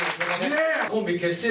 コンビ結成